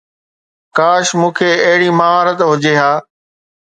ڪاش مون کي اهڙي مهارت هجي ها